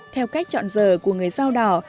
theo cách chọn giờ của người sao đạo